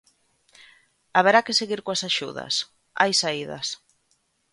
Haberá que seguir coas axudas, hai saídas.